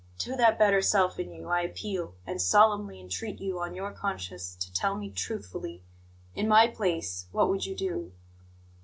To that better self in you I appeal, and solemnly entreat you, on your conscience, to tell me truthfully in my place, what would you do?"